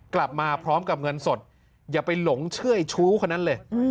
กลับมาพร้อมกับเงินสดอย่าไปหลงเชื่อไอ้ชู้คนนั้นเลย